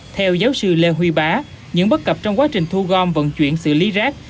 theo giáo sư lê huy bá những bất cập trong quá trình thu gom vận chuyển xử lý rác